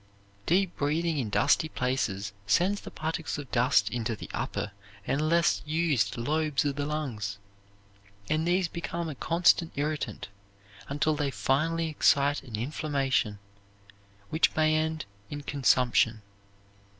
Deep breathing in dusty places sends the particles of dust into the upper and less used lobes of the lungs, and these become a constant irritant, until they finally excite an inflammation, which may end in consumption.